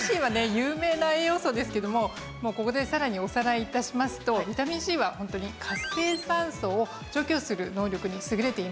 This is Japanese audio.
有名な栄養素ですけどもここでさらにおさらい致しますとビタミンＣはホントに活性酸素を除去する能力に優れていますよね。